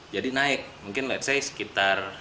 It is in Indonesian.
jadi naik mungkin let's say sekitar